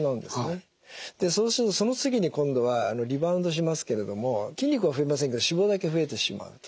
でそうするとその次に今度はリバウンドしますけれども筋肉は増えませんけど脂肪だけ増えてしまうと。